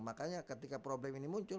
makanya ketika problem ini muncul